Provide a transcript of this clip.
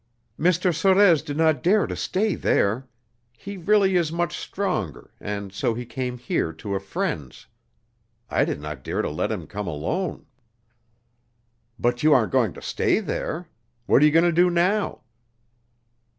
"Mr. Sorez did not dare to stay there. He really is much stronger, and so he came here to a friend's. I did not dare to let him come alone." "But you aren't going to stay there. What are you going to do now?"